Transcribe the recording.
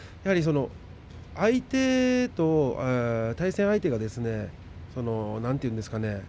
対戦相手がなんていうんですかね